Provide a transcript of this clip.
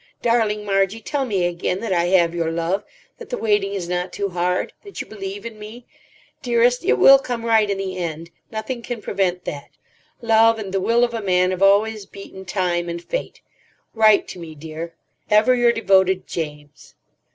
Darling Margie, tell me again that I have your love, that the waiting is not too hard, that you believe in me. Dearest, it will come right in the end. Nothing can prevent that. Love and the will of a man have always beaten Time and Fate. Write to me, dear. _Ever your devoted James.